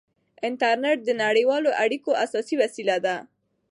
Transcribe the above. انټرنېټ د نړیوالو اړیکو اساسي وسیله ده.